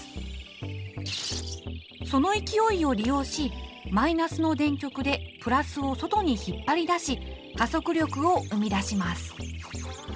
その勢いを利用しマイナスの電極でプラスを外に引っ張り出し加速力を生み出します。